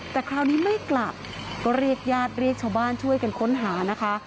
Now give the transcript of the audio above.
แต่คราวนี้ไม่กลับก็เรียกญาติเรียกชาวบ้านช่วยกันค้นหานะคะ